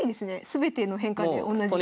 全ての変化で同じだと。